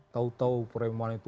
tahu tahu preman itu